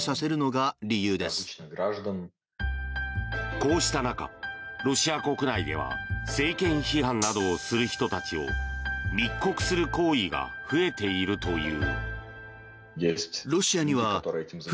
こうした中、ロシア国内では政権批判などをする人たちを密告する行為が増えているという。